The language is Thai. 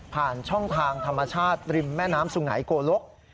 ผ่านช่องทางธรรมชาติริมแม่น้ำสุงัยโกลก